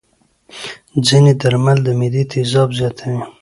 ځینې درمل د معدې تیزاب زیاتوي.